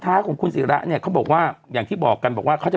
้าของคุณศิระเนี่ยเขาบอกว่าอย่างที่บอกกันบอกว่าเขาจะ